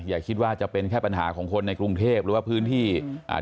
อย่าคิดว่าจะเป็นแค่ปัญหาของคนในกรุงเทพหรือว่าพื้นที่อ่า